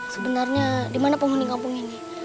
sebenarnya di mana penghuni kampung ini